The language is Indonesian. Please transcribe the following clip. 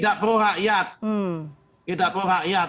kebijakan ini tidak pro rakyat